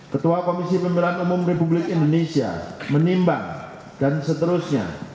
ketua komisi pemilihan umum republik indonesia menimbang dan seterusnya